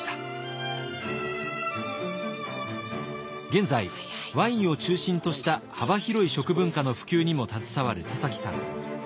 現在ワインを中心とした幅広い食文化の普及にも携わる田崎さん。